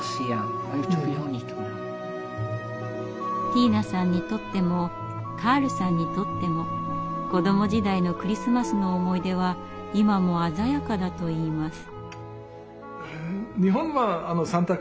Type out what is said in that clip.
ティーナさんにとってもカールさんにとっても子ども時代のクリスマスの思い出は今も鮮やかだといいます。